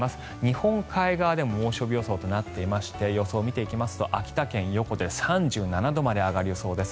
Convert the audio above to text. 日本海側でも猛暑日予想となっていまして予想を見ていきますと秋田県横手で３７度まで上がる予想です。